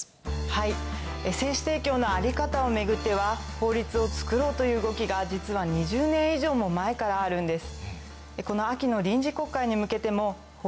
はい精子提供の在り方を巡っては法律をつくろうという動きが実は２０年以上も前からあるんです。